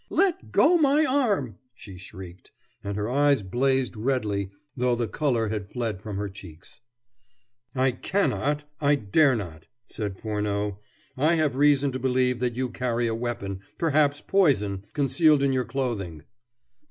"Let go my arm!" she shrieked, and her eyes blazed redly though the color had fled from her cheeks. "I cannot. I dare not," said Furneaux. "I have reason to believe that you carry a weapon, perhaps poison, concealed in your clothing."